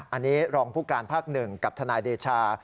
อันนี้รองภูการภาคหนึ่งกับธนายเดชา